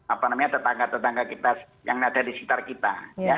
apa namanya tetangga tetangga kita yang ada di sekitar kita